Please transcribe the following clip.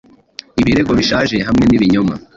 Ibirego bishaje hamwe. ibinyoma'